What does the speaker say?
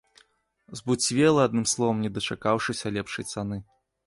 Збуцвела, адным словам, не дачакаўшыся лепшай цаны.